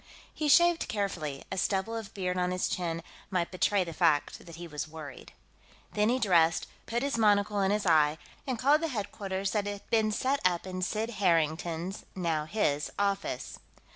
He shaved carefully; a stubble of beard on his chin might betray the fact that he was worried. Then he dressed, put his monocle in his eye, and called the headquarters that had been set up in Sid Harrington's now his office.